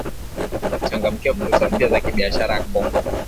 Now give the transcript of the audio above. Kuchangamkia fursa mpya za kibiashara Kongo